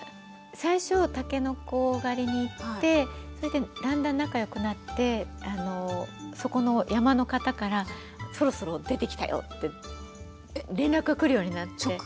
最初たけのこ狩りに行ってだんだん仲良くなってそこの山の方から「そろそろ出てきたよ」って連絡が来るようになって。